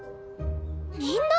みんな！